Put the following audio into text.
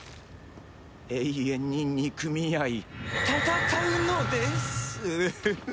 永遠に憎み合い戦うのでっす！